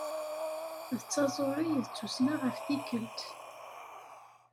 D taẓuri, d tussna ɣef tikelt.